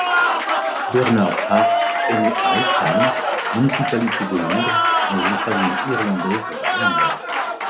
Bernard Hart est né à Eltham, municipalité de Londres, dans une famille irlandaise juive.